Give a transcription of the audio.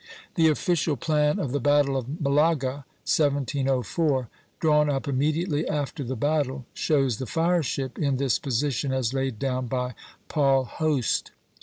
The official plan of the battle of Malaga (1704), drawn up immediately after the battle, shows the fire ship in this position as laid down by Paul Hoste.